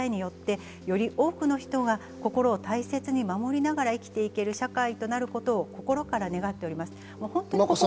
周囲の人の温かい助けや支えによって、より多くの人が心を大切に守りながら生きていける社会となることを心から願っております。